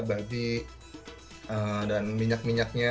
babi dan minyak minyaknya